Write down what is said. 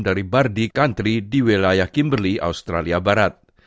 dari bardy country di wilayah kimberley australia barat